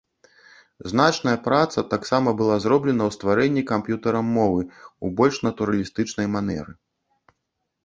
Значная праца таксама была зроблена ў стварэнні камп'ютарам мовы ў больш натуралістычнай манеры.